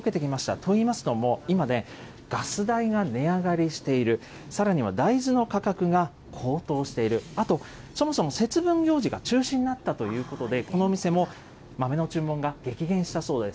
といいますのも、今ね、ガス代が値上がりしている、さらには大豆の価格が高騰している、あと、そもそも節分行事が中止になったということで、このお店も豆の注文が激減したそうです。